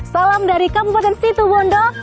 salam dari kabupaten situ bondo